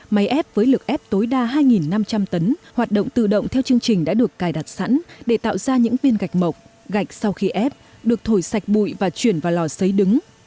máy ép với lực ép tối đa hai năm trăm linh tấn hoạt động tự động theo chương trình đã được cài đặt sẵn để tạo ra những viên gạch mộc gạch sau khi ép được thổi sạch bụi và chuyển vào lò xấy đứng